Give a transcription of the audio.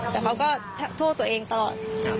แต่เขาก็โทษตัวเองตลอด